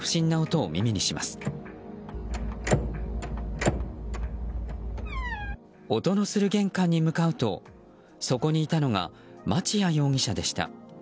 音のする玄関に向かうとそこにいたのが町屋容疑者でした。